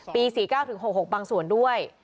ปี๔๙ถึง๖๖บางส่วนด้วย